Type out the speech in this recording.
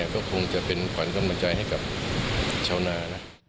ก็คงจะเป็นขวัญกำลังใจให้กับชาวนานะ